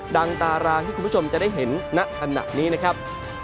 ตารางที่คุณผู้ชมจะได้เห็นณขณะนี้นะครับ